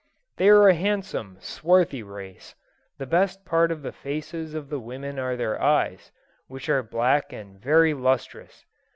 They are a handsome swarthy race. The best part in the faces of the women are their eyes, which are black and very lustrous.